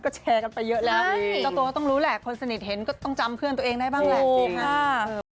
เป็นเยอะแล้วต้องรู้แลนะต้องจำเพื่อนตัวเองได้บ้างแสบ